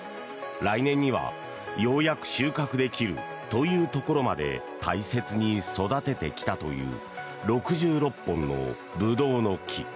来年にはようやく収穫できるというところまで大切に育ててきたという６６本のブドウの木。